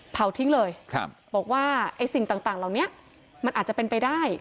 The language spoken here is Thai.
เผาทิ้งเลยบอกว่าไอ้สิ่งต่างเหล่านี้มันอาจจะเป็นไปได้